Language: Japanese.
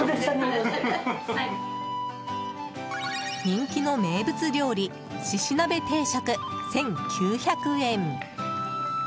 人気の名物料理しし鍋定食、１９００円。